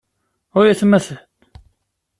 Ay atmaten!